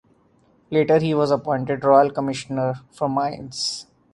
Later, he was appointed royal commissioner for mines.